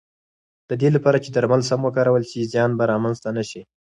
د دې لپاره چې درمل سم وکارول شي، زیان به رامنځته نه شي.